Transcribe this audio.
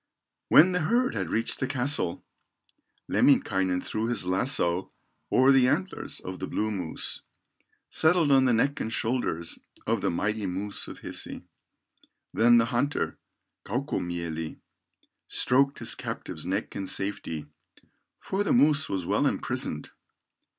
When the herd had reached the castle, Lemminkainen threw his lasso O'er the antlers of the blue moose, Settled on the neck and shoulders Of the mighty moose of Hisi. Then the hunter, Kaukomieli, Stroked his captive's neck in safety, For the moose was well imprisoned.